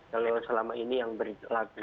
yang selama ini yang berlaku